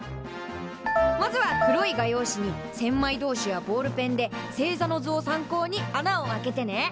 まずは黒い画用紙に千枚通しやボールペンで星座の図を参考に穴を開けてね。